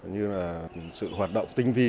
như là sự hoạt động tinh vi